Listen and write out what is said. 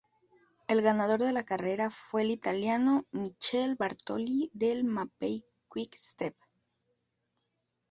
El ganador de la carrera fue el italiano Michele Bartoli del Mapei-Quick Step.